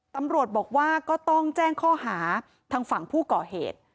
ตำรวจบอกว่าก็ต้องแจ้งข้อหาทางฝั่งผู้ก่อเหตุ